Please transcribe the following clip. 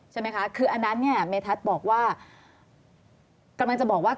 ใช่ไหมคะคืออันนั้นเนี่ยเมธัศน์บอกว่ากำลังจะบอกว่า